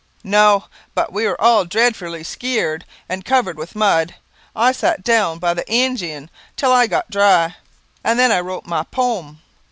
"No, but we were all dreadfully sceared and covered with mud. I sat down by the en gine till I got dry, and then I wrote my pome.